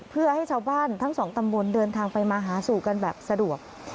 เพื่อให้ชาวบ้านทั้งสองตำบลเดินทางไปมาหาสู่กันแบบสะดวก